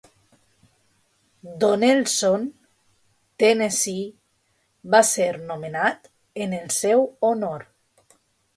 Donelson, Tennessee, va ser nomenat en el seu honor.